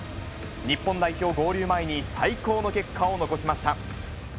日本代表合流前に最高の結果を残しました。